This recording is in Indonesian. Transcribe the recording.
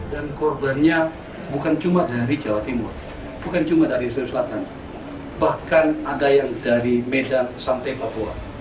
dan korbannya bukan cuma dari jawa timur bukan cuma dari seluruh selatan bahkan ada yang dari medan sampai papua